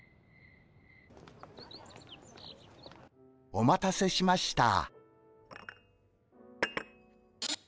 お待たせしました。